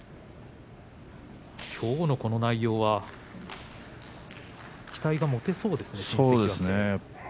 きょうのこの内容は期待を持てそうですね。